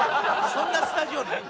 そんなスタジオない。